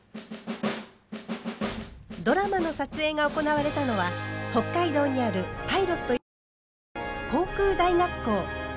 ドラマの撮影が行われたのは北海道にあるパイロット養成機関航空大学校。